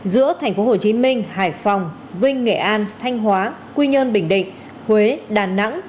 giữa thành phố hồ chí minh hải phòng vinh nghệ an thanh hóa quy nhơn bình định huế đà nẵng